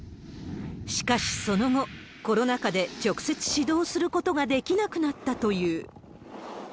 しかしその後、コロナ禍で直接指導することができなくなったという。